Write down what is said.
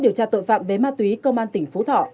điều tra tội phạm về ma túy công an tỉnh phú thọ